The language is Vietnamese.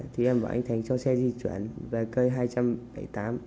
thì em bảo anh thành cho xe di chuyển về cây hai trăm bảy mươi tám